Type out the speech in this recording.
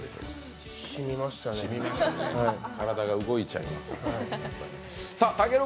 体が動いちゃいますよね。